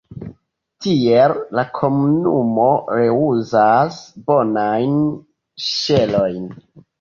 Tiel, la komunumo reuzas bonajn ŝelojn.